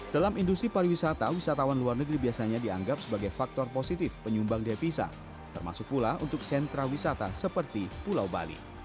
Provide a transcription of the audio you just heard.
dalam industri pariwisata wisatawan luar negeri biasanya dianggap sebagai faktor positif penyumbang devisa termasuk pula untuk sentra wisata seperti pulau bali